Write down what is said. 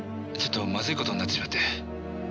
ちょっとまずい事になってしまって。